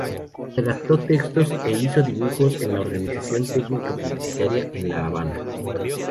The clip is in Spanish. Redactó textos e hizo dibujos en la Organización Tecnica Publicitaria en la Habana.